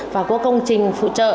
và có công trình phụ trợ